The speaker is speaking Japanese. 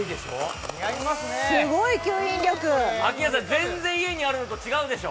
全然家にあるのと違うでしょ？